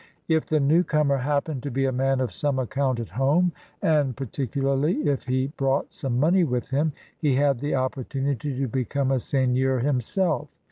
If the newcomer happened to be a man of some account at home,'and particu 140 CRUSADERS OF NEW FRANCE larly if he brought some mon^ with him» he had the opportunity to become m seigneur himself.